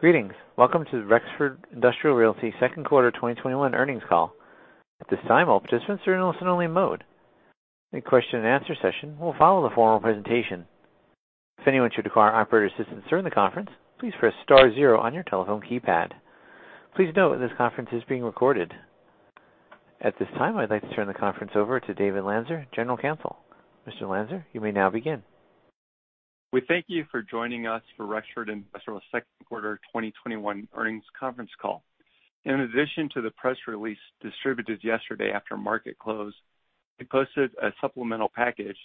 Greetings. Welcome to the Rexford Industrial Realty Second Quarter 2021 earnings call. At this time, all participants are in listen-only mode. A question and answer session will follow the formal presentation. If anyone should require operator assistance during the conference, please press star zero on your telephone keypad. Please note this conference is being recorded. At this time, I'd like to turn the conference over to David Lanzer, General Counsel. Mr. Lanzer, you may now begin. We thank you for joining us for Rexford Industrial's second quarter 2021 earnings conference call. In addition to the press release distributed yesterday after market close, we posted a supplemental package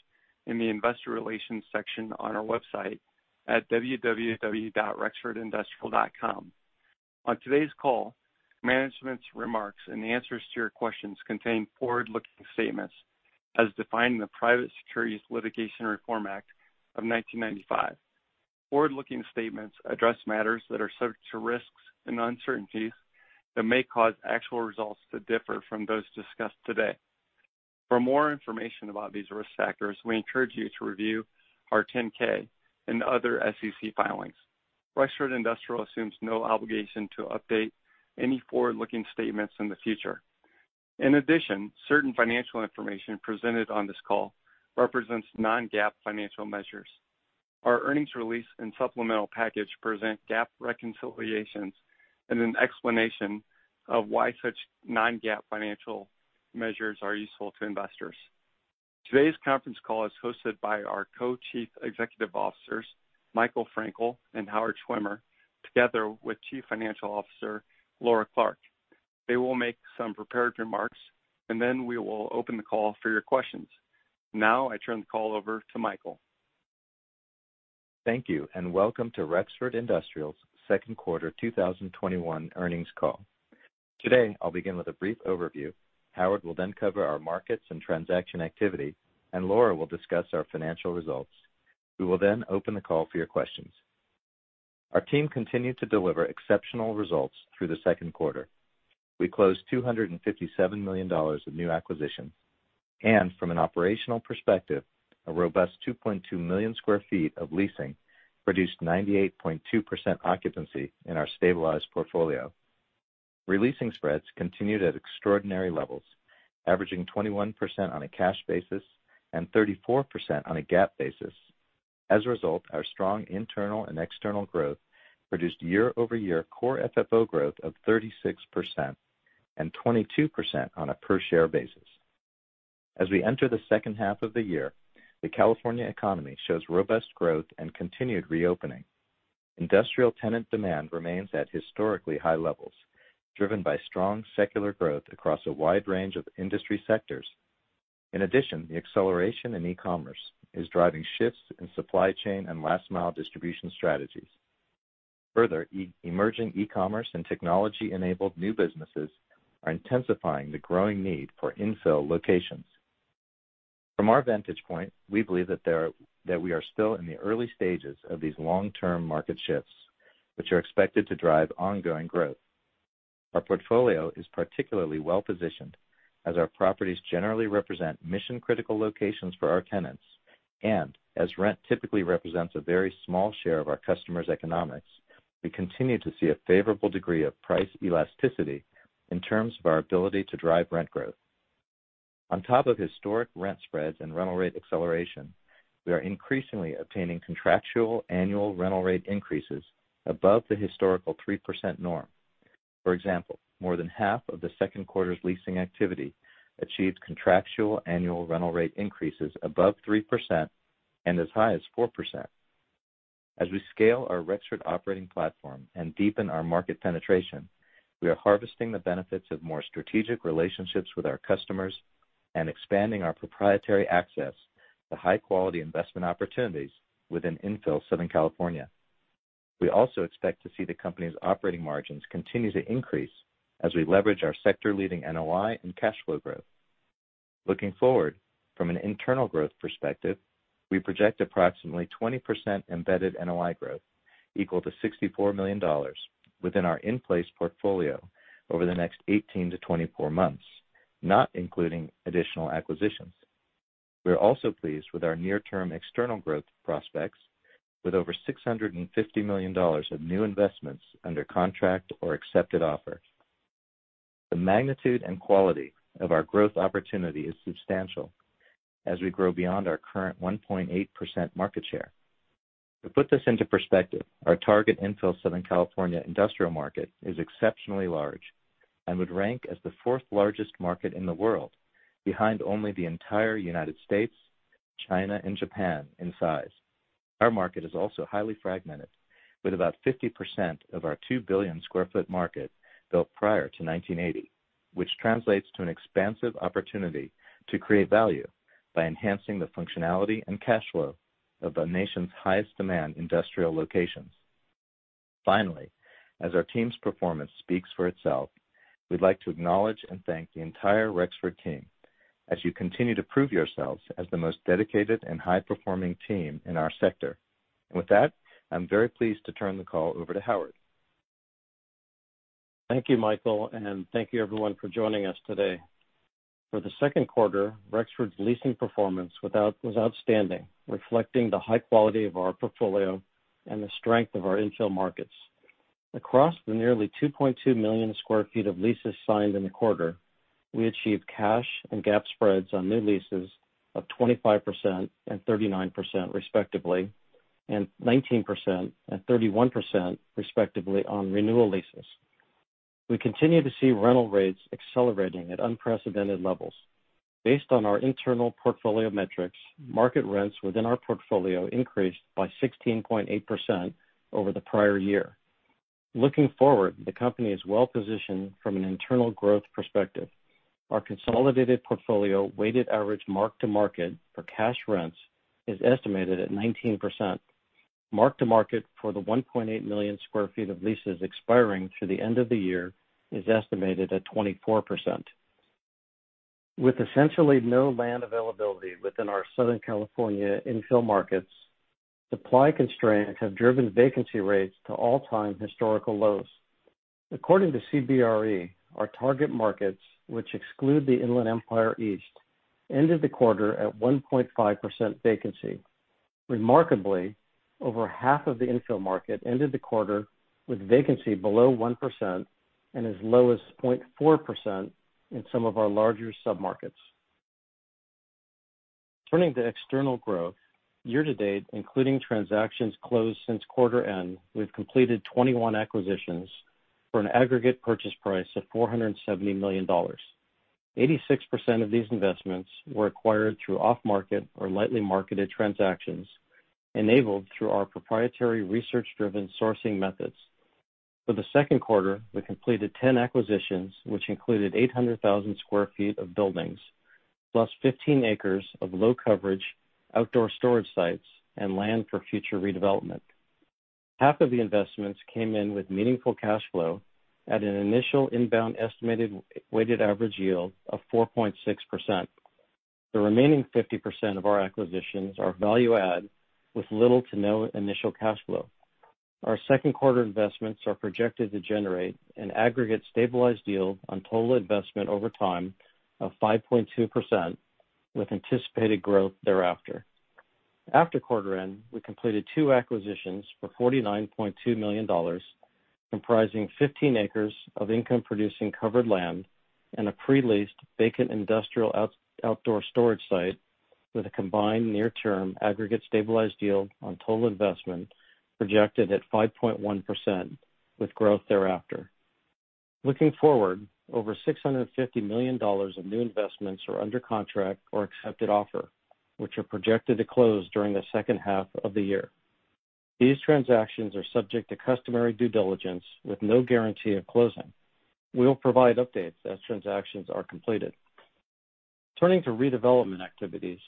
in the investor relations section on our website at www.rexfordindustrial.com. On today's call, management's remarks and the answers to your questions contain forward-looking statements as defined in the Private Securities Litigation Reform Act of 1995. Forward-looking statements address matters that are subject to risks and uncertainties that may cause actual results to differ from those discussed today. For more information about these risk factors, we encourage you to review our 10K and other SEC filings. Rexford Industrial assumes no obligation to update any forward-looking statements in the future. In addition, certain financial information presented on this call represents non-GAAP financial measures. Our earnings release and supplemental package present GAAP reconciliations and an explanation of why such non-GAAP financial measures are useful to investors. Today's conference call is hosted by our Co-Chief Executive Officers, Michael Frankel and Howard Schwimmer, together with Chief Financial Officer, Laura Clark. They will make some prepared remarks, and then we will open the call for your questions. [Now,] I turn the call over to Michael. Thank you, and welcome to Rexford Industrial's second quarter 2021 earnings call. Today, I'll begin with a brief overview. Howard will then cover our markets and transaction activity, Laura will discuss our financial results. We will then open the call for your questions. Our team continued to deliver exceptional results through the second quarter. We closed $257 million of new acquisitions. From an operational perspective, a robust 2.2 million sq ft of leasing produced 98.2% occupancy in our stabilized portfolio. Releasing spreads continued at extraordinary levels, averaging 21% on a cash basis and 34% on a GAAP basis. As a result, our strong internal and external growth produced year-over-year core FFO growth of 36% and 22% on a per share basis. As we enter the second half of the year, the California economy shows robust growth and continued reopening. Industrial tenant demand remains at historically high levels, driven by strong secular growth across a wide range of industry sectors. In addition, the acceleration in e-commerce is driving shifts in supply chain and last mile distribution strategies. Further, emerging e-commerce and technology enabled new businesses are intensifying the growing need for infill locations. From our vantage point, we believe that we are still in the early stages of these long term market shifts, which are expected to drive ongoing growth. Our portfolio is particularly well positioned as our properties generally represent mission critical locations for our tenants. And as rent typically represents a very small share of our customers' economics, we continue to see a favorable degree of price elasticity in terms of our ability to drive rent growth. On top of historic rent spreads and rental rate acceleration, we are increasingly obtaining contractual annual rental rate increases above the historical 3% norm. For example, more than half of the second quarter's leasing activity achieved contractual annual rental rate increases above 3% and as high as 4%. As we scale our Rexford operating platform and deepen our market penetration, we are harvesting the benefits of more strategic relationships with our customers and expanding our proprietary access to high quality investment opportunities within infill Southern California. We also expect to see the company's operating margins continue to increase as we leverage our sector leading NOI and cash flow growth. Looking forward, from an internal growth perspective, we project approximately 20% embedded NOI growth equal to $64 million within our in place portfolio over the next 18-24 months, not including additional acquisitions. We are also pleased with our near term external growth prospects with over $650 million of new investments under contract or accepted offer. The magnitude and quality of our growth opportunity is substantial as we grow beyond our current 1.8% market share. To put this into perspective, our target infill Southern California industrial market is exceptionally large and would rank as the fourth largest market in the world, behind only the entire United States, China, and Japan in size. Our market is also highly fragmented, with about 50% of our 2 billion sq ft market built prior to 1980, which translates to an expansive opportunity to create value by enhancing the functionality and cash flow of the nation's highest demand industrial locations. Finally, as our team's performance speaks for itself, we'd like to acknowledge and thank the entire Rexford team as you continue to prove yourselves as the most dedicated and high performing team in our sector. With that, I'm very pleased to turn the call over to Howard. Thank you, Michael, and thank you everyone for joining us today. For the second quarter, Rexford's leasing performance was outstanding, reflecting the high quality of our portfolio and the strength of our infill markets. Across the nearly 2.2 million sq ft of leases signed in the quarter, we achieved cash and GAAP spreads on new leases of 25% and 39%, respectively, and 19% and 31%, respectively, on renewal leases. We continue to see rental rates accelerating at unprecedented levels. Based on our internal portfolio metrics, market rents within our portfolio increased by 16.8% over the prior year. Looking forward, the company is well positioned from an internal growth perspective. Our consolidated portfolio weighted average mark to market for cash rents is estimated at 19%. Mark-to-market for the 1.8 million sq ft of leases expiring through the end of the year is estimated at 24%. With essentially no land availability within our Southern California infill markets, supply constraints have driven vacancy rates to all-time historical lows. According to CBRE, our target markets, which exclude the Inland Empire East, ended the quarter at 1.5% vacancy. Remarkably, over half of the infill market ended the quarter with vacancy below 1% and as low as 0.4% in some of our larger submarkets. Turning to external growth, year to date, including transactions closed since quarter end, we've completed 21 acquisitions for an aggregate purchase price of $470 million. 86% of these investments were acquired through off-market or lightly marketed transactions, enabled through our proprietary research driven sourcing methods. For the second quarter, we completed 10 acquisitions, which included 800,000 sq ft of buildings, plus 15 acres of low coverage outdoor storage sites and land for future redevelopment. Half of the investments came in with meaningful cash flow at an initial inbound estimated weighted average yield of 4.6%. The remaining 50% of our acquisitions are value add with little to no initial cash flow. Our second quarter investments are projected to generate an aggregate stabilized yield on total investment over time of 5.2% with anticipated growth thereafter. After quarter end, we completed 2 acquisitions for $49.2 million, comprising 15 acres of income producing covered land and a pre-leased vacant industrial outdoor storage site with a combined near term aggregate stabilized yield on total investment projected at 5.1%, with growth thereafter. Looking forward, over $650 million of new investments are under contract or accepted offer, which are projected to close during the second half of the year. These transactions are subject to customary due diligence with no guarantee of closing. We'll provide updates as transactions are completed. Turning to redevelopment activities.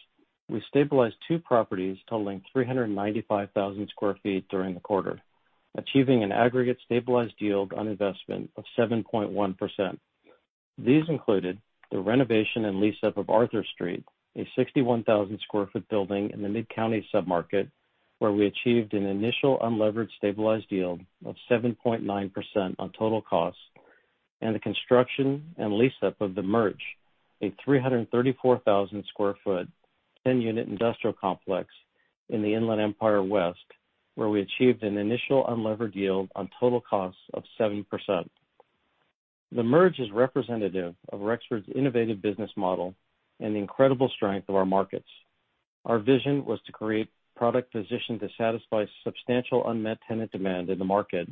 We stabilized 2 properties totaling 395,000 sq ft during the quarter, achieving an aggregate stabilized yield on investment of 7.1%. These included the renovation and lease up of Arthur Street, a 61,000 sq ft building in the Mid-Counties submarket, where we achieved an initial unlevered stabilized yield of 7.9% on total costs, and the construction and lease up of The Merge, a 334,000 sq ft, 10-unit industrial complex in the Inland Empire West, where we achieved an initial unlevered yield on total costs of 7%. The Merge is representative of Rexford's innovative business model and the incredible strength of our markets. Our vision was to create product position to satisfy substantial unmet tenant demand in the market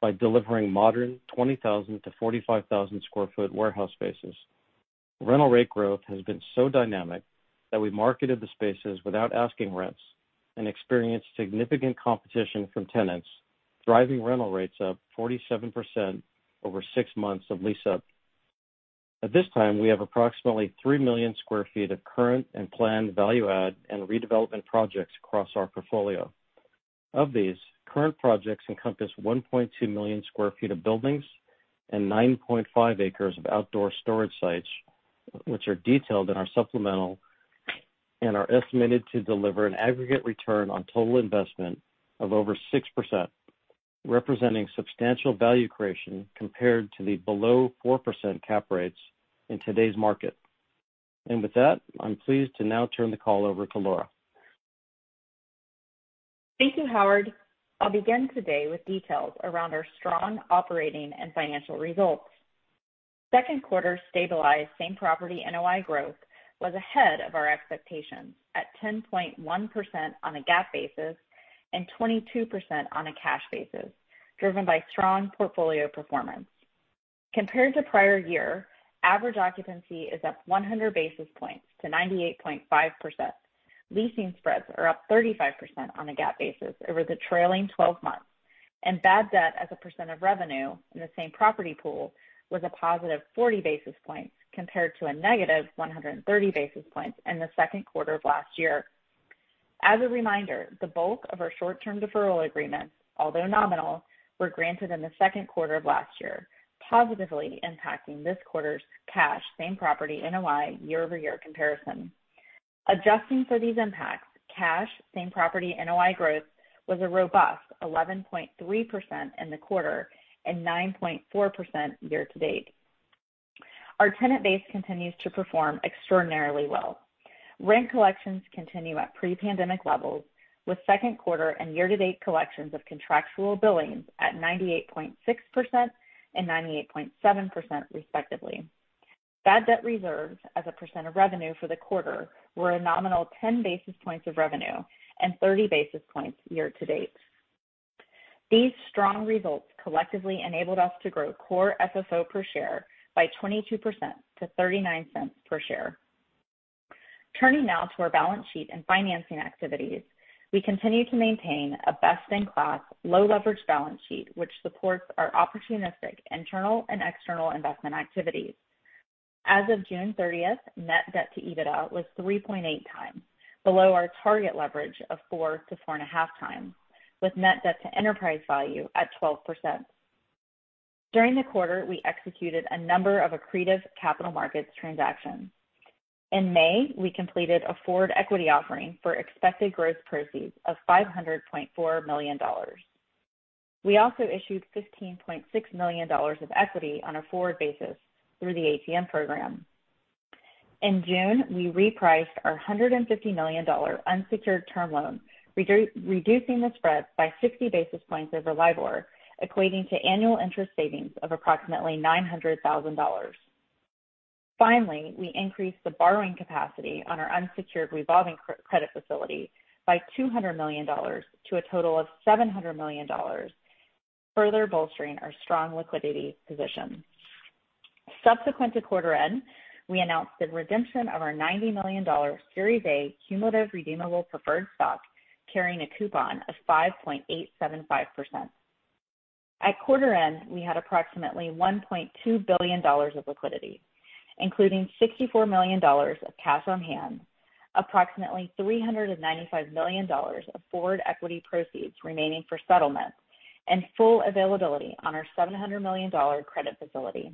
by delivering modern 20,000-45,000 sq ft warehouse spaces. Rental rate growth has been so dynamic that we marketed the spaces without asking rents and experienced significant competition from tenants, driving rental rates up 47% over six months of lease up. At this time, we have approximately 3 million square feet of current and planned value add and redevelopment projects across our portfolio. Of these current projects encompass 1.2 million square feet of buildings and 9.5 acres of outdoor storage sites, which are detailed in our supplemental, and are estimated to deliver an aggregate return on total investment of over 6%, representing substantial value creation compared to the below 4% cap rates in today's market. With that, I'm pleased to now turn the call over to Laura. Thank you, Howard. I'll begin today with details around our strong operating and financial results. Second quarter stabilized same property NOI growth was ahead of our expectations at 10.1% on a GAAP basis and 22% on a cash basis, driven by strong portfolio performance. Compared to prior year, average occupancy is up 100 basis points to 98.5%. Leasing spreads are up 35% on a GAAP basis over the trailing 12 months, and bad debt as a percent of revenue in the same property pool was a positive 40 basis points compared to a -130 basis points in the second quarter of last year. As a reminder, the bulk of our short-term deferral agreements, although nominal, were granted in the second quarter of last year, positively impacting this quarter's cash same property NOI year-over-year comparison. Adjusting for these impacts, cash same-property NOI growth was a robust 11.3% in the quarter and 9.4% year-to-date. Our tenant base continues to perform extraordinarily well. Rent collections continue at pre-pandemic levels, with second quarter and year-to-date collections of contractual billings at 98.6% and 98.7% respectively. Bad debt reserves as a percent of revenue for the quarter were a nominal 10 basis points of revenue and 30 basis points year-to-date. These strong results collectively enabled us to grow core FFO per share by 22% to $0.39 per share. Turning now to our balance sheet and financing activities. We continue to maintain a best in class, low leverage balance sheet, which supports our opportunistic internal and external investment activities. As of June 30th, net debt to EBITDA was 3.8x, below our target leverage of 4x-4.5x, with net debt to enterprise value at 12%. During the quarter, we executed a number of accretive capital markets transactions. In May, we completed a forward equity offering for expected gross proceeds of $500.4 million. We also issued $15.6 million of equity on a forward basis through the ATM program. In June, we repriced our $150 million unsecured term loan, reducing the spread by 60 basis points over LIBOR, equating to annual interest savings of approximately $900,000. Finally, we increased the borrowing capacity on our unsecured revolving credit facility by $200 million to a total of $700 million, further bolstering our strong liquidity position. Subsequent to quarter end, we announced the redemption of our $90 million Series A cumulative redeemable preferred stock carrying a coupon of 5.875%. At quarter end, we had approximately $1.2 billion of liquidity, including $64 million of cash on hand, approximately $395 million of forward equity proceeds remaining for settlement, and full availability on our $700 million credit facility.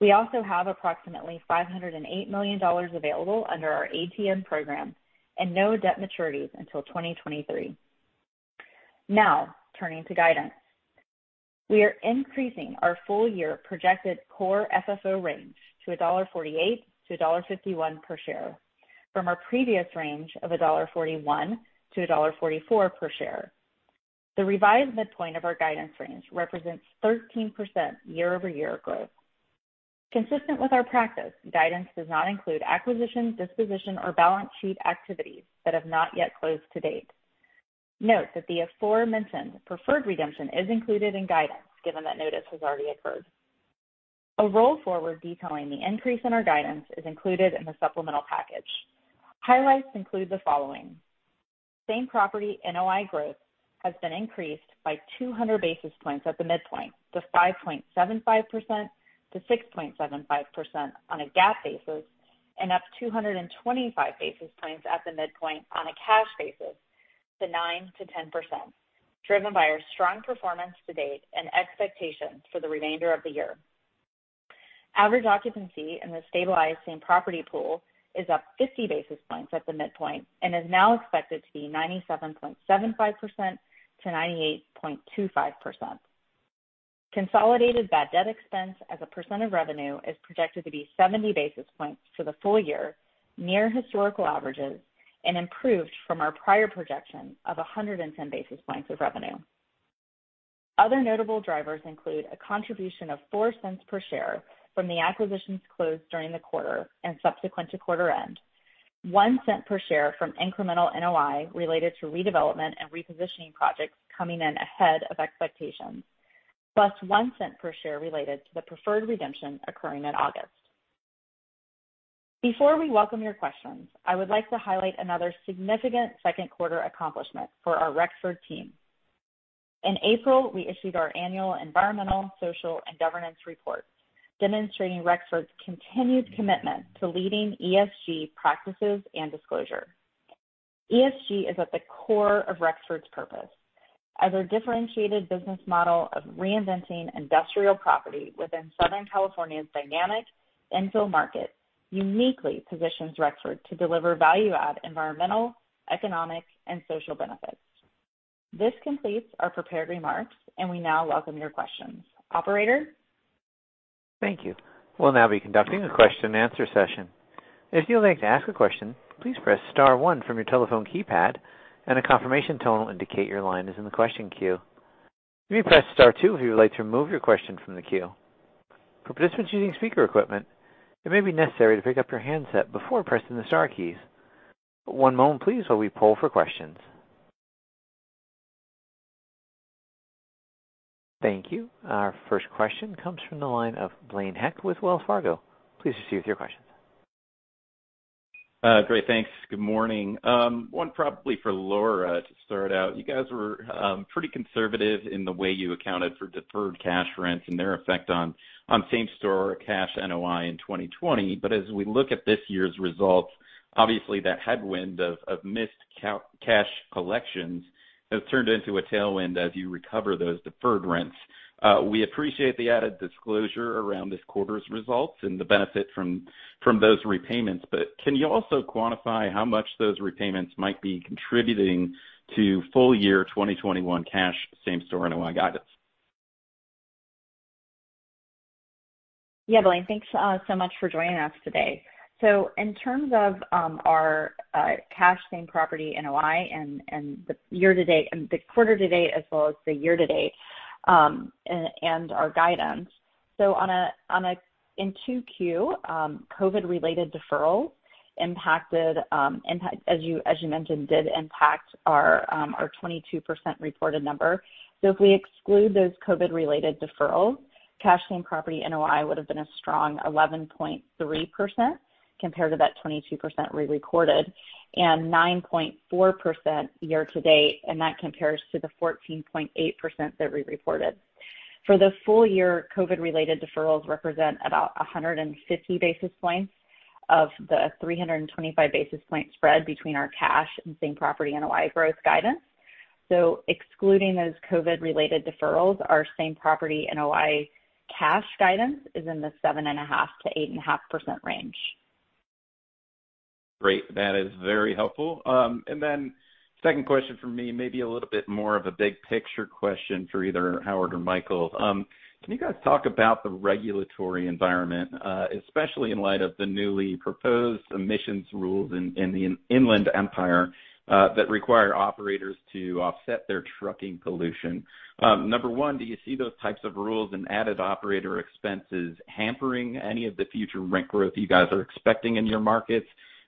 We also have approximately $508 million available under our ATM program and no debt maturities until 2023. Now, turning to guidance. We are increasing our full-year projected core FFO range to $1.48-$1.51 per share from our previous range of $1.41-$1.44 per share. The revised midpoint of our guidance range represents 13% year-over-year growth. Consistent with our practice, guidance does not include acquisitions, disposition or balance sheet activities that have not yet closed to date. Note that the aforementioned preferred redemption is included in guidance given that notice has already occurred. A roll forward detailing the increase in our guidance is included in the supplemental package. Highlights include the following. Same property NOI growth has been increased by 200 basis points at the midpoint to 5.75%-6.75% on a GAAP basis, and up 225 basis points at the midpoint on a cash basis to 9%-10%, driven by our strong performance to date and expectations for the remainder of the year. Average occupancy in the stabilized same property pool is up 50 basis points at the midpoint and is now expected to be 97.75%-98.25%. Consolidated bad debt expense as a percent of revenue is projected to be 70 basis points for the full year, near historical averages, and improved from our prior projection of 110 basis points of revenue. Other notable drivers include a contribution of $0.04 per share from the acquisitions closed during the quarter and subsequent to quarter-end. $0.01 per share from incremental NOI related to redevelopment and repositioning projects coming in ahead of expectations. Plus $0.01 per share related to the preferred redemption occurring in August. Before we welcome your questions, I would like to highlight another significant second quarter accomplishment for our Rexford team. In April, we issued our annual environmental, social, and governance report demonstrating Rexford's continued commitment to leading ESG practices and disclosure. ESG is at the core of Rexford's purpose as our differentiated business model of reinventing industrial property within Southern California's dynamic infill market uniquely positions Rexford to deliver value-add environmental, economic, and social benefits. This completes our prepared remarks. We now welcome your questions. Operator? Thank you. We'll now be conducting a question and answer session. [If you would like to ask a question, please press star and one on your telephone keypad and confirmation to indicate your line in the question queue. Please press star two if you would like to remove your question from the queue. For better equipment, it may be necessary to pick up your handset before pressing the star keys. One moment please, while we poll for the questions. ]Thank you. Our first question comes from the line of Blaine Heck with Wells Fargo. Please proceed with your questions. Great. Thanks. Good morning. One probably for Laura to start out. You guys were pretty conservative in the way you accounted for deferred cash rents and their effect on same store cash NOI in 2020. As we look at this year's results, obviously that headwind of missed cash collections has turned into a tailwind as you recover those deferred rents. We appreciate the added disclosure around this quarter's results and the benefit from those repayments. Can you also quantify how much those repayments might be contributing to full year 2021 cash same store NOI guidance? Yeah, Blaine, thanks so much for joining us today. In terms of our cash same-property NOI and the quarter to date as well as the year-to-date, and our guidance. In 2Q, COVID-related deferrals, as you mentioned, did impact our 22% reported number. If we exclude those COVID-related deferrals, cash same-property NOI would've been a strong 11.3% compared to that 22% we recorded, and 9.4% year-to-date. That compares to the 14.8% that we reported. For the full year, COVID-related deferrals represent about 150 basis points of the 325 basis point spread between our cash and same-property NOI growth guidance. Excluding those COVID-related deferrals, our same-property NOI cash guidance is in the 7.5%-8.5% range. Great. That is very helpful. Second question from me, maybe a little bit more of a big picture question for either Howard or Michael. Can you guys talk about the regulatory environment, especially in light of the newly proposed emissions rules in the Inland Empire, that require operators to offset their trucking pollution? Number 1, do you see those types of rules and added operator expenses hampering any of the future rent growth you guys are expecting in your markets?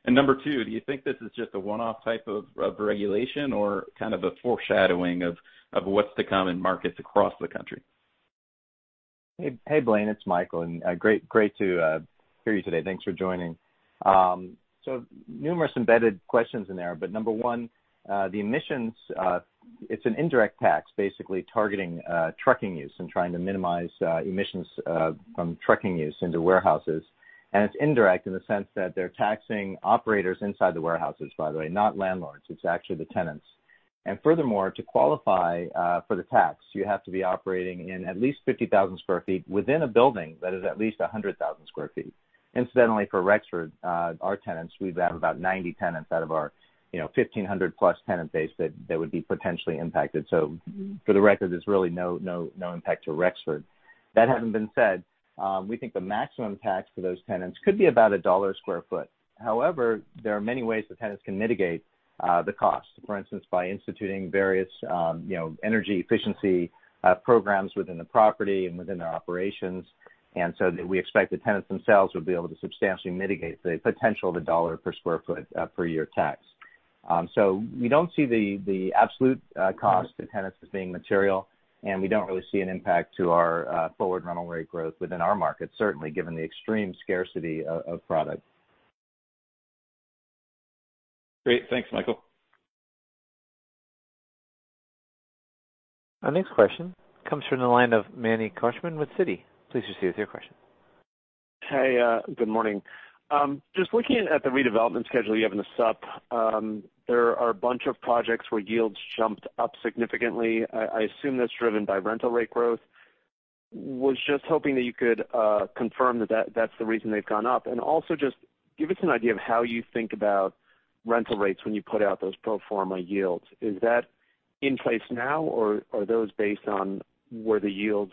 Number 2, do you think this is just a one-off type of regulation or kind of a foreshadowing of what's to come in markets across the country? Hey, Blaine, it's Michael, great to hear you today. Thanks for joining. Numerous embedded questions in there, but number 1, the emissions, it's an indirect tax basically targeting trucking use and trying to minimize emissions from trucking use into warehouses. It's indirect in the sense that they're taxing operators inside the warehouses, by the way, not landlords. It's actually the tenants. Furthermore, to qualify for the tax, you have to be operating in at least 50,000 sq ft within a building that is at least 100,000 sq ft. Incidentally, for Rexford, our tenants, we have about 90 tenants out of our 1,500-plus tenant base that would be potentially impacted. For the record, there's really no impact to Rexford. That having been said, we think the maximum tax for those tenants could be about $1 a sq ft. [However,] there are many ways the tenants can mitigate the cost, for instance, by instituting various energy efficiency programs within the property and within their operations. We expect the tenants themselves would be able to substantially mitigate the potential of a $1 per sq ft per year tax. We don't see the absolute cost to tenants as being material, and we don't really see an impact to our forward rental rate growth within our market, certainly given the extreme scarcity of product. Great. Thanks, Michael. Our next question comes from the line of Manny Korchman with Citi. Please proceed with your question. Hey, good morning. Just looking at the redevelopment schedule you have in the sup, there are a bunch of projects where yields jumped up significantly. I assume that's driven by rental rate growth. Was just hoping that you could confirm that that's the reason they've gone up. Also just give us an idea of how you think about rental rates when you put out those pro forma yields. Is that in place now, or are those based on where the yields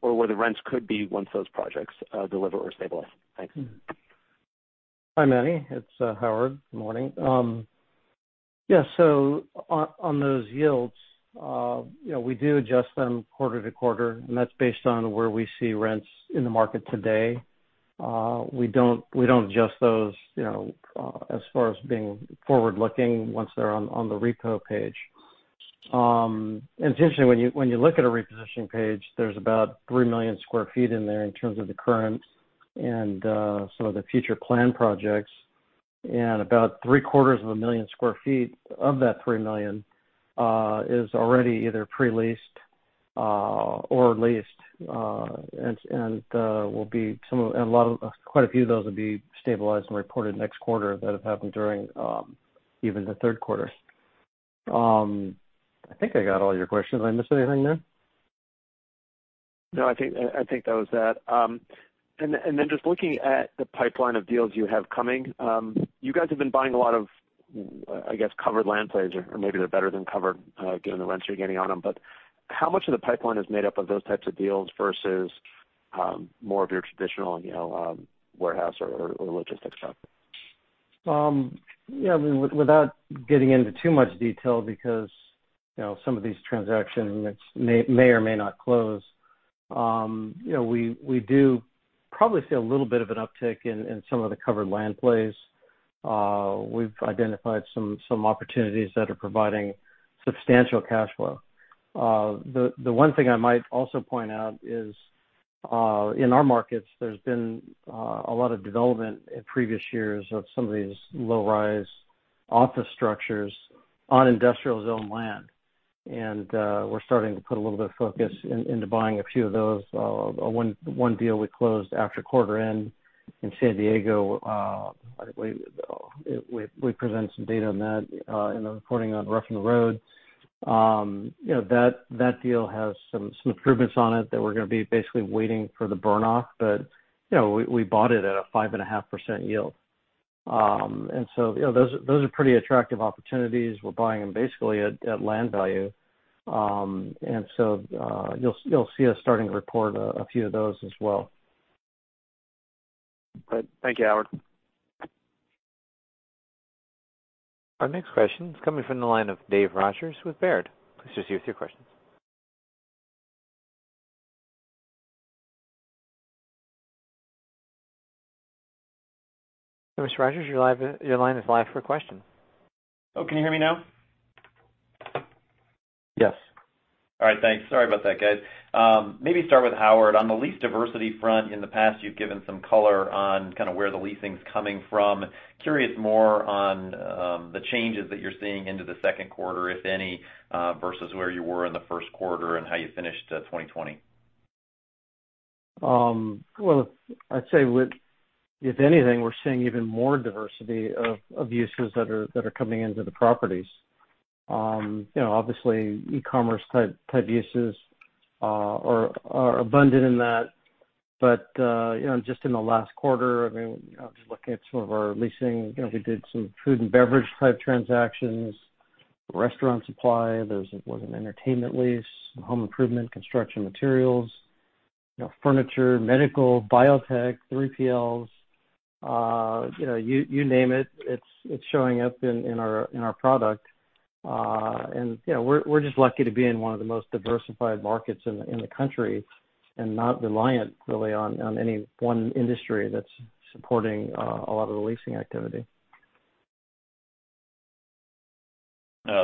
or where the rents could be once those projects deliver or stabilize? Thanks. Hi, Manny. It's Howard. Good morning. Yeah. On those yields, we do adjust them quarter to quarter, and that's based on where we see rents in the market today. We don't adjust those, as far as being forward-looking once they're on the repo page. Essentially, when you look at a repositioning page, there's about 3 million sq ft in there in terms of the current and some of the future planned projects. About three-quarters of a million sq ft of that 3 million is already either pre-leased or leased, and quite a few of those will be stabilized and reported next quarter that have happened during even the third quarter. I think I got all your questions. Did I miss anything there? No, I think that was that. Just looking at the pipeline of deals you have coming, you guys have been buying a lot of, I guess, covered land plays, or maybe they're better than covered given the rents you're getting on them. How much of the pipeline is made up of those types of deals versus more of your traditional warehouse or logistics stuff? Without getting into too much detail, because some of these transactions may or may not close. We do probably see a little bit of an uptick in some of the covered land plays. We've identified some opportunities that are providing substantial cash flow. The one thing I might also point out is, in our markets, there's been a lot of development in previous years of some of these low-rise office structures on industrial zone land. We're starting to put a little bit of focus into buying a few of those. One deal we closed after quarter end in San Diego, we present some data on that in the reporting on Ruffin Road. That deal has some improvements on it that we're going to be basically waiting for the burn off. We bought it at a 5.5% yield. Those are pretty attractive opportunities. We're buying them basically at land value. You'll see us starting to report a few of those as well. Great. Thank you, Howard. Our next question is coming from the line of Dave Rodgers with Baird. Please proceed with your question. Mr. Rodgers, your line is live for question. Oh, can you hear me now? Yes. All right. Thanks. Sorry about that, guys. Maybe start with Howard. On the lease diversity front, in the past, you've given some color on kind of where the leasing's coming from. Curious more on the changes that you're seeing into the second quarter, if any, versus where you were in the first quarter and how you finished 2020. Well, I'd say with, if anything, we're seeing even more diversity of uses that are coming into the properties. Obviously, e-commerce type uses are abundant in that. Just in the last quarter, I was looking at some of our leasing. We did some food and beverage type transactions, restaurant supply. There was an entertainment lease, some home improvement, construction materials, furniture, medical, biotech, 3PLs. You name it. It's showing up in our product. We're just lucky to be in one of the most diversified markets in the country and not reliant really on any one industry that's supporting a lot of the leasing activity.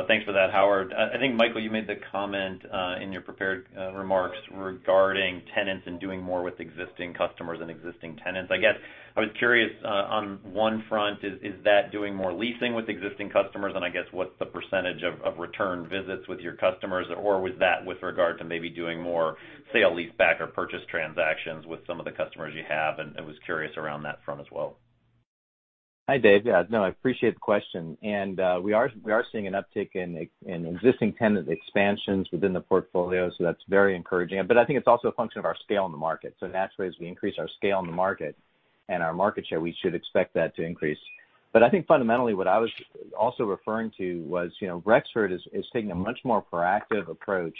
Thanks for that, Howard. I think, Michael, you made the comment, in your prepared remarks regarding tenants and doing more with existing customers and existing tenants. I guess I was curious, on 1 front, is that doing more leasing with existing customers? I guess what's the percentage of return visits with your customers, or was that with regard to maybe doing more sale-lease-back or purchase transactions with some of the customers you have, and was curious around that front as well. Hi, Dave. Yeah. No, I appreciate the question. We are seeing an uptick in existing tenant expansions within the portfolio, so that's very encouraging. I think it's also a function of our scale in the market. Naturally, as we increase our scale in the market and our market share, we should expect that to increase. I think fundamentally what I was also referring to was Rexford is taking a much more proactive approach,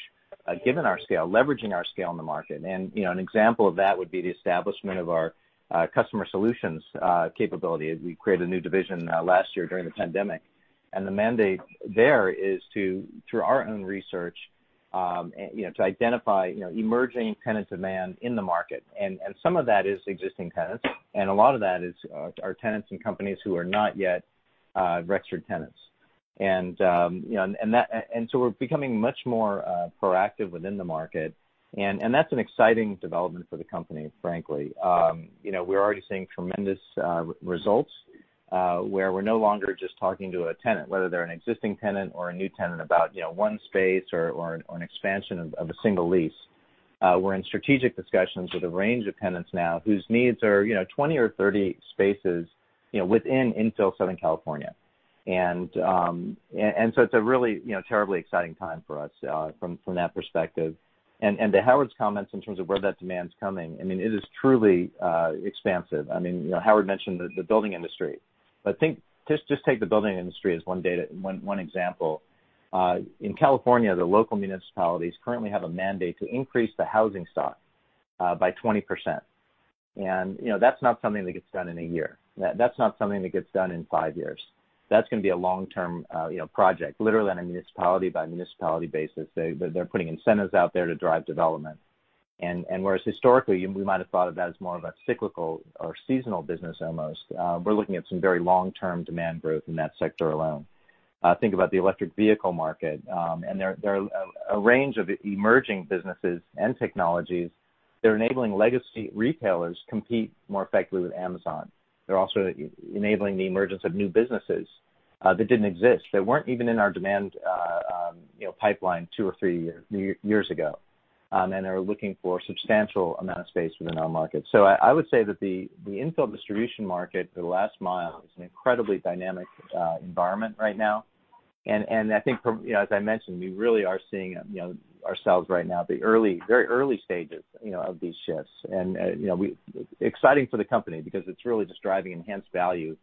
given our scale, leveraging our scale in the market. An example of that would be the establishment of our customer solutions capability. We created a new division last year during the pandemic. The mandate there is to, through our own research, to identify emerging tenant demand in the market. Some of that is existing tenants, and a lot of that are tenants and companies who are not yet Rexford tenants. We're becoming much more proactive within the market, and that's an exciting development for the company, frankly. We're already seeing tremendous results, where we're no longer just talking to a tenant, whether they're an existing tenant or a new tenant, about 1 space or an expansion of a single lease. We're in strategic discussions with a range of tenants now whose needs are 20 or 30 spaces within infill Southern California. It's a really terribly exciting time for us from that perspective. To Howard's comments in terms of where that demand's coming, it is truly expansive. Howard mentioned the building industry. Just take the building industry as one example. In California, the local municipalities currently have a mandate to increase the housing stock by 20%. That's not something that gets done in one year. That's not something that gets done in five years. That's going to be a long-term project, literally on a municipality-by-municipality basis. They're putting incentives out there to drive development. Whereas historically, we might have thought of that as more of a cyclical or seasonal business almost, we're looking at some very long-term demand growth in that sector alone. Think about the electric vehicle market. There are a range of emerging businesses and technologies that are enabling legacy retailers compete more effectively with Amazon. They're also enabling the emergence of new businesses that didn't exist, that weren't even in our demand pipeline two or three years ago, and are looking for a substantial amount of space within our market. I would say that the infill distribution market for the last mile is an incredibly dynamic environment right now. I think, as I mentioned, we really are seeing ourselves right now at the very early stages of these shifts. Exciting for the company because it's really just driving enhanced value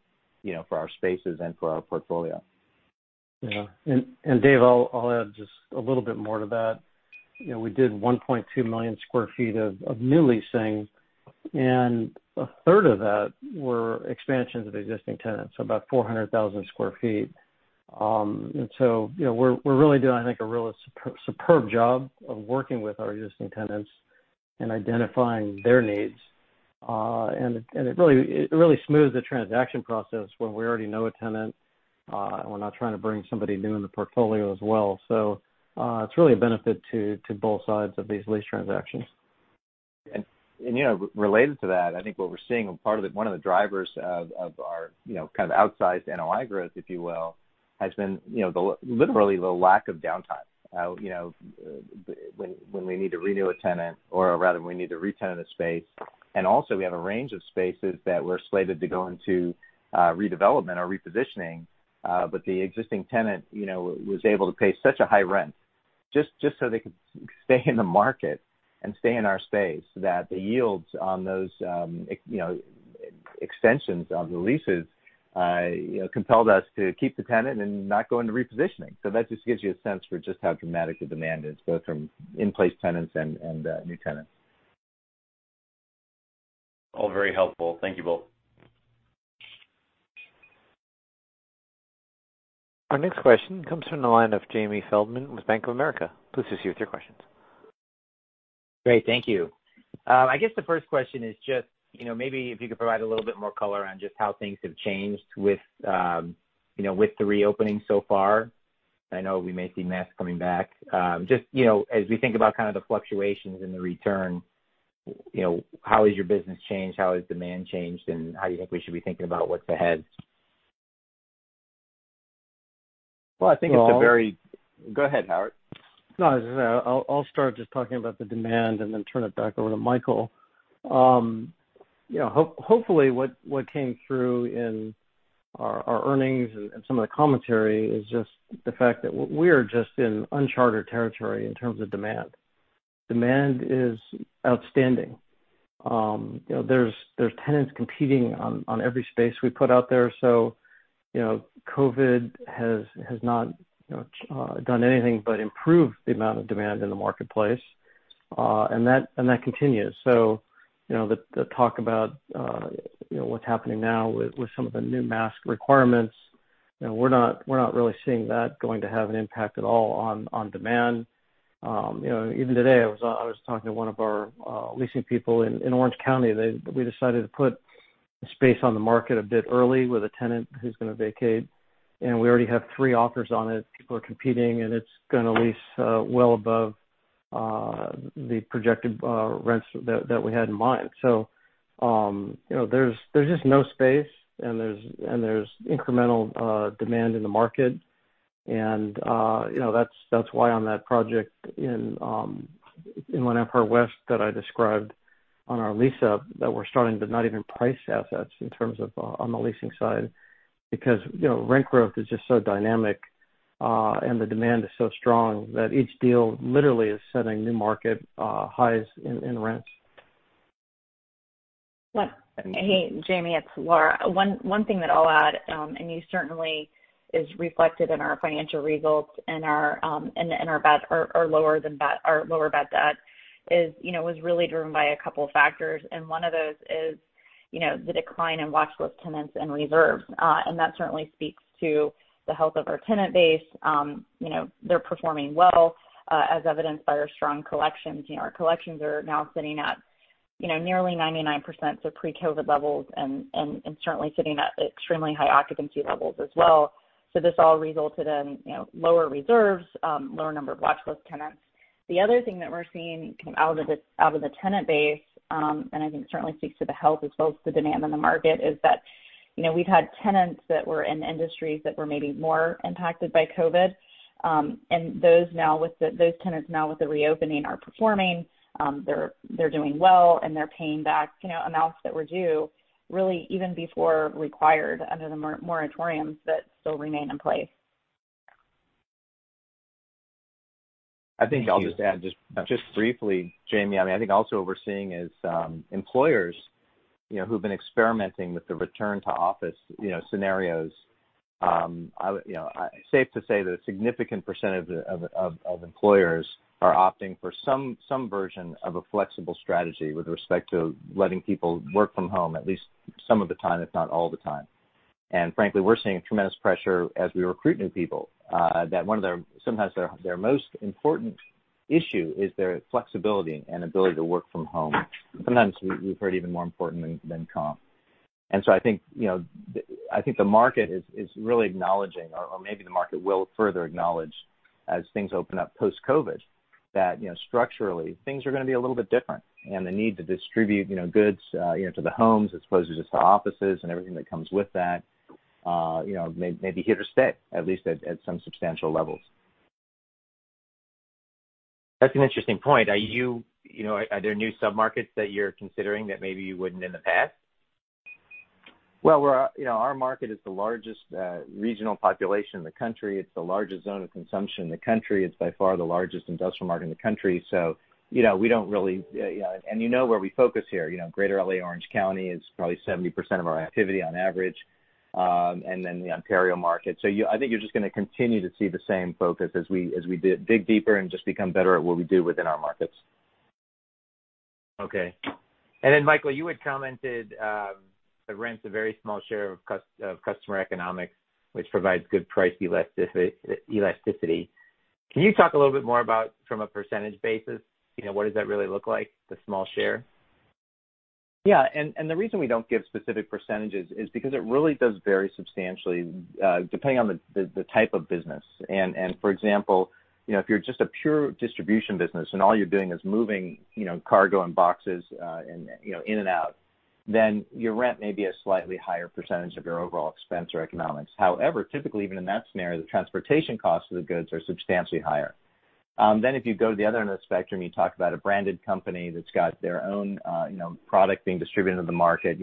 for our spaces and for our portfolio. Yeah. Dave, I'll add just a little bit more to that. We did 1.2 million square feet of new leasing, and a third of that were expansions of existing tenants, so about 400,000 square feet. We're really doing, I think, a really superb job of working with our existing tenants and identifying their needs. It really smooths the transaction process when we already know a tenant, and we're not trying to bring somebody new in the portfolio as well. It's really a benefit to both sides of these lease transactions. Related to that, I think what we're seeing, one of the drivers of our kind of outsized NOI growth, if you will, has been literally the lack of downtime when we need to re-tenant a space. Also, we have a range of spaces that were slated to go into redevelopment or repositioning, but the existing tenant was able to pay such a high rent just so they could stay in the market and stay in our space, that the yields on those extensions of the leases compelled us to keep the tenant and not go into repositioning. That just gives you a sense for just how dramatic the demand is, both from in-place tenants and new tenants. All very helpful. Thank you both. Our next question comes from the line of Jamie Feldman with Bank of America. Please proceed with your questions. Great. Thank you. I guess the first question is just maybe if you could provide a little bit more color around just how things have changed with the reopening so far. I know we may see masks coming back. Just as we think about kind of the fluctuations in the return, how has your business changed? How has demand changed? How do you think we should be thinking about what's ahead? Well, I think it's a very. Go ahead, Howard. No. I'll start just talking about the demand and then turn it back over to Michael. Hopefully, what came through in our earnings and some of the commentary is just the fact that we're just in uncharted territory in terms of demand. Demand is outstanding. There's tenants competing on every space we put out there. COVID has not done anything but improve the amount of demand in the marketplace. That continues. The talk about what's happening now with some of the new mask requirements, we're not really seeing that going to have an impact at all on demand. Even today, I was talking to one of our leasing people in Orange County. We decided to put a space on the market a bit early with a tenant who's going to vacate, and we already have three offers on it. People are competing, it's going to lease well above the projected rents that we had in mind. There's just no space, and there's incremental demand in the market. That's why on that project in Empire West that I described on our lease-up, that we're starting to not even price assets in terms of on the leasing side, because rent growth is just so dynamic, and the demand is so strong that each deal literally is setting new market highs in rents. Hey, Jamie, it's Laura. One thing that I'll add, and you certainly is reflected in our financial results and our lower bad debt was really driven by 2 factors. One of those is the decline in watchlist tenants and reserves. That certainly speaks to the health of our tenant base. They're performing well, as evidenced by our strong collections. Our collections are now sitting at nearly 99%, so pre-COVID levels, and certainly sitting at extremely high occupancy levels as well. This all resulted in lower reserves, lower number of watchlist tenants. The other thing that we're seeing out of the tenant base, and I think certainly speaks to the health as well as the demand in the market, is that we've had tenants that were in industries that were maybe more impacted by COVID. Those tenants now with the reopening are performing. They're doing well, and they're paying back amounts that were due really even before required under the moratoriums that still remain in place. Thank you. I think I'll just add just briefly, Jamie. I think also what we're seeing is employers who've been experimenting with the return to office scenarios. Safe to say that a significant percentage of employers are opting for some version of a flexible strategy with respect to letting people work from home at least some of the time, if not all the time. Frankly, we're seeing tremendous pressure as we recruit new people, that sometimes their most important issue is their flexibility and ability to work from home. Sometimes we've heard even more important than comp. I think the market is really acknowledging, or maybe the market will further acknowledge as things open up post-COVID, that structurally things are going to be a little bit different. The need to distribute goods to the homes as opposed to just to offices and everything that comes with that may be here to stay, at least at some substantial levels. That's an interesting point. Are there new sub-markets that you're considering that maybe you wouldn't in the past? Well, our market is the largest regional population in the country. It's the largest zone of consumption in the country. It's by far the largest industrial market in the country. You know where we focus here. Greater L.A., Orange County is probably 70% of our activity on average, and then the Ontario market. I think you're just going to continue to see the same focus as we dig deeper and just become better at what we do within our markets. Okay. Michael, you had commented that rent's a very small share of customer economics, which provides good price elasticity. Can you talk a little bit more about from a percentage basis what does that really look like, the small share? Yeah. The reason we don't give specific percentage is because it really does vary substantially depending on the type of business. For example, if you're just a pure distribution business and all you're doing is moving cargo and boxes in and out, then your rent may be a slightly higher % of your overall expense or economics. However, typically, even in that scenario, the transportation costs of the goods are substantially higher. If you go to the other end of the spectrum, you talk about a branded company that's got their own product being distributed in the market.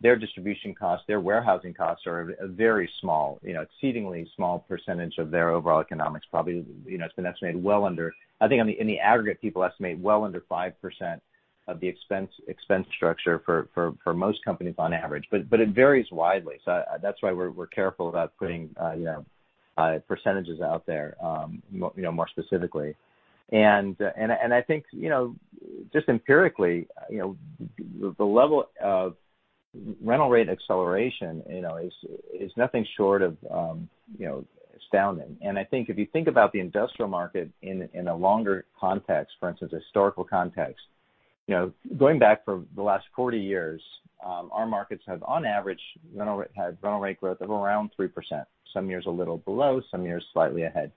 Their distribution costs, their warehousing costs are very small, exceedingly small percentage of their overall economics. Probably, it's been estimated well under I think in the aggregate, people estimate well under 5% of the expense structure for most companies on average. It varies widely. That's why we're careful about putting percentage out there more specifically. I think, just empirically, the level of rental rate acceleration is nothing short of astounding. I think if you think about the industrial market in a longer context, for instance, historical context, going back for the last 40 years, our markets have, on average, had rental rate growth of around 3%, some years a little below, some years slightly ahead.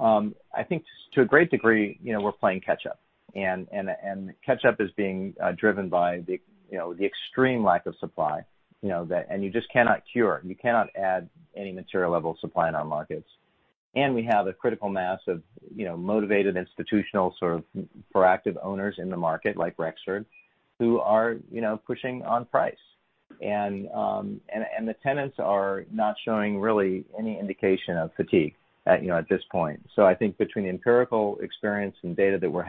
I think to a great degree, we're playing catch up and the catch up is being driven by the extreme lack of supply. You just cannot cure, you cannot add any material level of supply in our markets. [And] we have a critical mass of motivated institutional, sort of proactive owners in the market like Rexford, who are pushing on price. The tenants are not showing really any indication of fatigue at this point. I think between the empirical experience and data that we're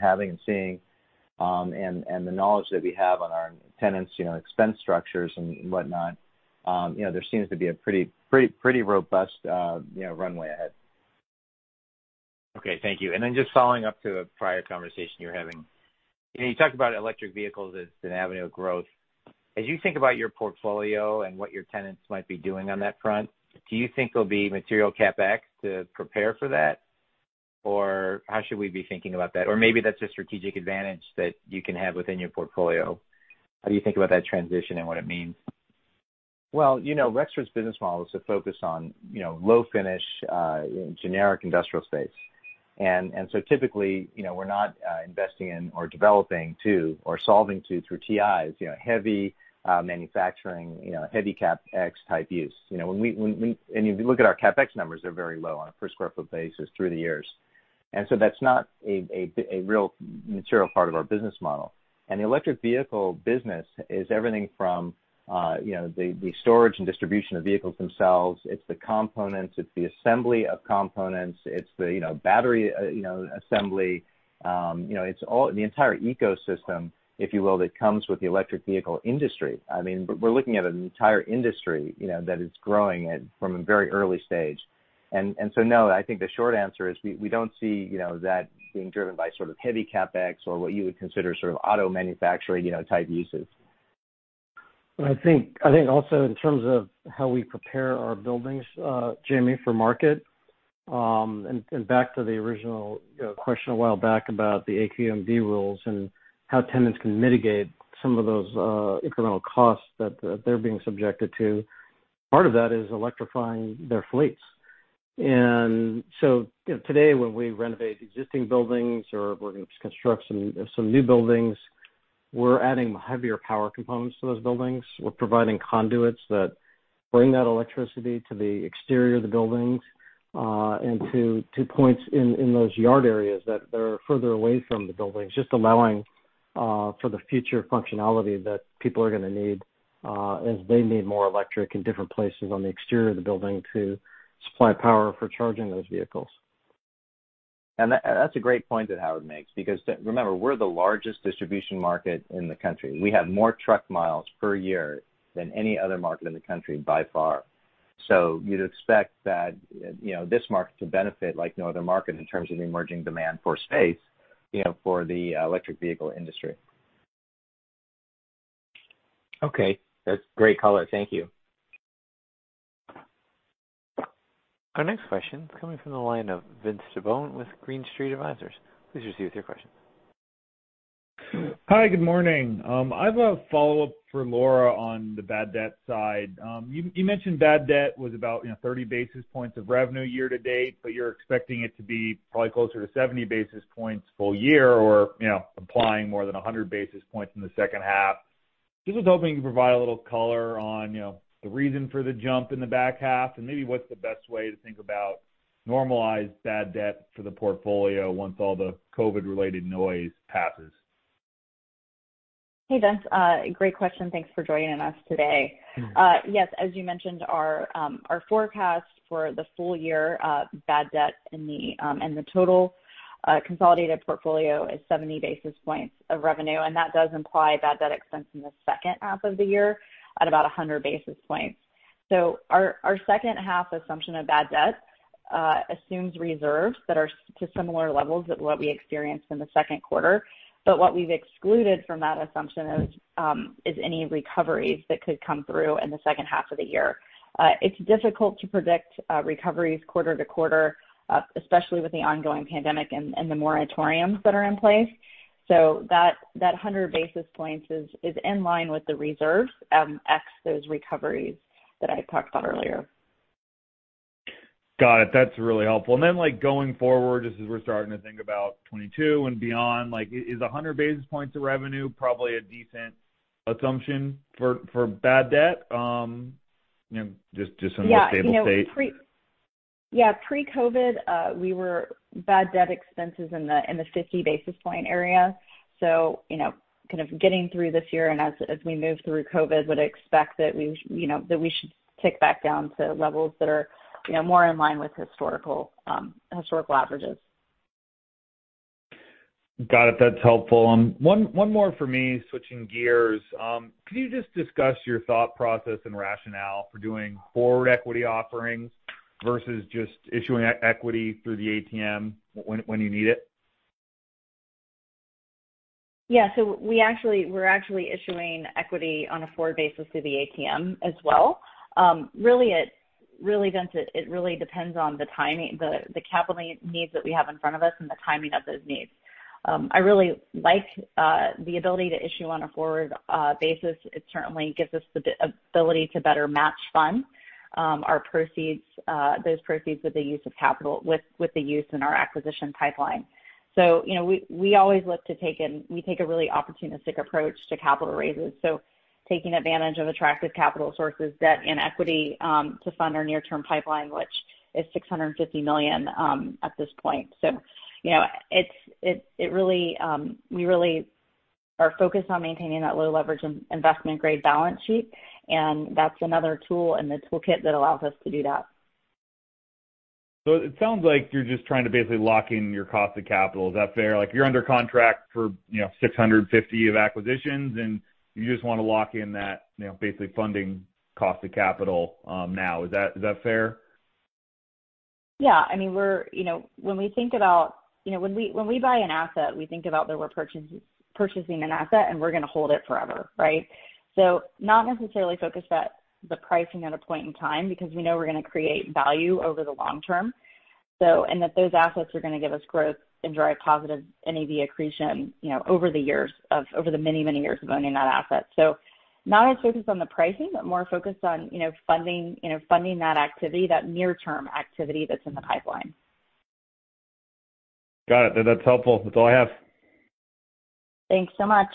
having and seeing, and the knowledge that we have on our tenants' expense structures and whatnot, there seems to be a pretty robust runway ahead. Okay. Thank you. Just following up to a prior conversation you were having. You talked about electric vehicles as an avenue of growth. As you think about your portfolio and what your tenants might be doing on that front, do you think there'll be material CapEx to prepare for that? How should we be thinking about that? Maybe that's a strategic advantage that you can have within your portfolio. How do you think about that transition and what it means? Rexford's business model is to focus on low finish, generic industrial space. Typically, we're not investing in or developing to or solving to through TIs, heavy manufacturing, heavy CapEx type use. If you look at our CapEx numbers, they're very low on a per sq ft basis through the years. That's not a real material part of our business model. The electric vehicle business is everything from the storage and distribution of vehicles themselves. It's the components, it's the assembly of components. It's the battery assembly. It's the entire ecosystem, if you will, that comes with the electric vehicle industry. We're looking at an entire industry that is growing from a very early stage. No, I think the short answer is we don't see that being driven by sort of heavy CapEx or what you would consider sort of auto manufacturing type uses. I think also in terms of how we prepare our buildings, Jamie, for market, and back to the original question a while back about the AQMD rules and how tenants can mitigate some of those incremental costs that they're being subjected to. Part of that is electrifying their fleets. Today, when we renovate existing buildings or we're going to construct some new buildings, we're adding heavier power components to those buildings. We're providing conduits that bring that electricity to the exterior of the buildings, and to points in those yard areas that are further away from the buildings, just allowing for the future functionality that people are going to need as they need more electric in different places on the exterior of the building to supply power for charging those vehicles. That's a great point that Howard makes because remember, we're the largest distribution market in the country. We have more truck miles per year than any other market in the country by far. You'd expect that this market to benefit like no other market in terms of the emerging demand for space, for the electric vehicle industry. Okay. That's great color. Thank you. Our next question is coming from the line of Vince Tibone with Green Street Advisors. Please proceed with your question. Hi. Good morning. I have a follow-up for Laura on the bad debt side. You mentioned bad debt was about 30 basis points of revenue year to date, but you're expecting it to be probably closer to 70 basis points full year or implying more than 100 basis points in the second half. Just was hoping you could provide a little color on the reason for the jump in the back half, and maybe what's the best way to think about normalized bad debt for the portfolio once all the COVID-related noise passes. Hey, Vince. Great question. Thanks for joining us today. Yes, as you mentioned, our forecast for the full year bad debt in the total consolidated portfolio is 70 basis points of revenue. That does imply bad debt expense in the second half of the year at about 100 basis points. Our second half assumption of bad debt assumes reserves that are to similar levels of what we experienced in the second quarter. What we've excluded from that assumption is any recoveries that could come through in the second half of the year. It's difficult to predict recoveries quarter-to-quarter, especially with the ongoing pandemic and the moratoriums that are in place. That 100 basis points is in line with the reserves, ex those recoveries that I talked about earlier. Got it. That's really helpful. Going forward, just as we're starting to think about 2022 and beyond, is 100 basis points of revenue probably a decent assumption for bad debt? Just in a stable state. Yeah. Pre-COVID, we were bad debt expenses in the 50 basis point area. Getting through this year and as we move through COVID, would expect that we should tick back down to levels that are more in line with historical averages. Got it. That's helpful. One more from me, switching gears. Could you just discuss your thought process and rationale for doing forward equity offerings versus just issuing equity through the ATM when you need it? Yeah. We're actually issuing equity on a forward basis through the ATM as well. It really depends on the capital needs that we have in front of us and the timing of those needs. I really like the ability to issue on a forward basis. It certainly gives us the ability to better match funds, those proceeds with the use in our acquisition pipeline. We always look to take a really opportunistic approach to capital raises. Taking advantage of attractive capital sources, debt, and equity, to fund our near-term pipeline, which is $650 million at this point. We really are focused on maintaining that low leverage investment-grade balance sheet, and that's another tool in the toolkit that allows us to do that. It sounds like you're just trying to basically lock in your cost of capital. Is that fair? Like you're under contract for $650 of acquisitions and you just want to lock in that basically funding cost of capital now. Is that fair? When we buy an asset, we think about that we're purchasing an asset and we're going to hold it forever, right? Not necessarily focused at the pricing at a point in time because we know we're going to create value over the long term. That those assets are going to give us growth and drive positive NAV accretion over the many years of owning that asset. Not as focused on the pricing, but more focused on funding that activity, that near-term activity that's in the pipeline. Got it. That's helpful. That's all I have. Thanks so much.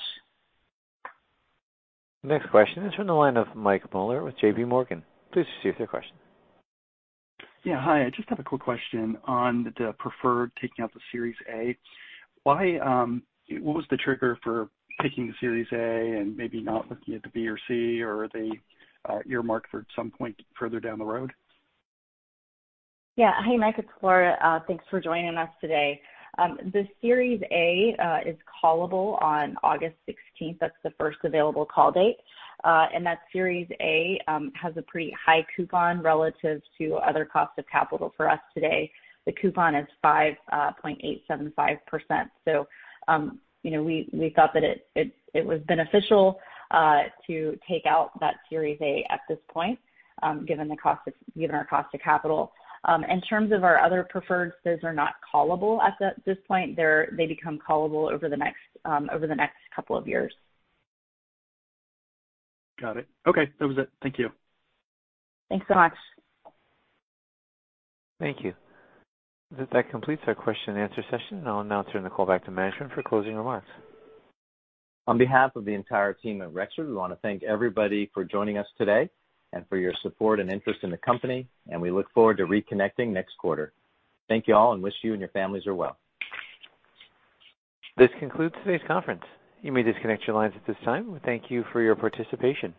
Next question is from the line of Mike Mueller with JPMorgan. Please proceed with your question. Yeah. Hi, I just have a quick question on the preferred taking out the Series A. What was the trigger for picking the Series A and maybe not looking at the Series B or Series C, or are they earmarked for some point further down the road? Hey, Mike, it's Laura. Thanks for joining us today. The Series A is callable on August 16th. That's the first available call date. That Series A has a pretty high coupon relative to other cost of capital for us today. The coupon is 5.875%. We thought that it was beneficial to take out that Series A at this point, given our cost of capital. In terms of our other preferreds, those are not callable at this point. They become callable over the next couple of years. Got it. Okay. That was it. Thank you. Thanks so much. Thank you. That completes our question and answer session. I'll now turn the call back to management for closing remarks. On behalf of the entire team at Rexford, we want to thank everybody for joining us today and for your support and interest in the company. We look forward to reconnecting next quarter. Thank you all. Wish you and your families are well. This concludes today's conference. You may disconnect your lines at this time. We thank you for your participation.